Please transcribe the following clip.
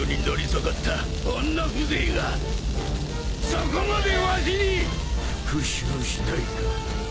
そこまでわしに復讐したいか。